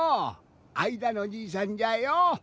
あいだのじいさんじゃよ！